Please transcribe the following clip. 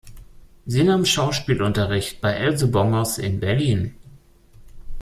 Sie nahm Schauspielunterricht bei Else Bongers in Berlin.